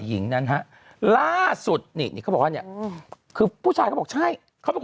หญิงนั้นฮะล่าทสุดนี่เขาบอกว่าเนี่ยคือผู้ชายบอกช่าย